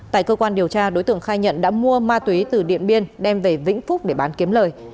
tại cơ quan điều tra đối tượng khai nhận đã mua ma túy từ điện biên đem về vĩnh phúc để bán kiếm lời